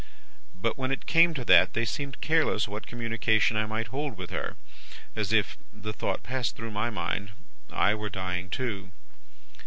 But when it came to that, they seemed careless what communication I might hold with her; as if the thought passed through my mind I were dying too.